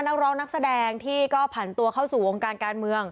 นักร้องนักแสดงที่ก็ผ่านตัวเข้าสู่วงการการเมือง